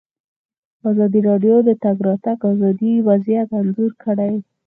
ازادي راډیو د د تګ راتګ ازادي وضعیت انځور کړی.